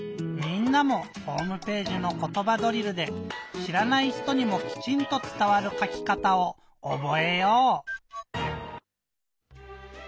みんなもホームページの「ことばドリル」でしらない人にもきちんとつたわるかきかたをおぼえよう！